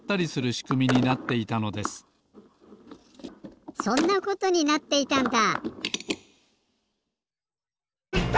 しくみになっていたのですそんなことになっていたんだ！